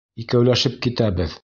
Икәүләшеп китәбеҙ!